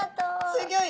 すギョい！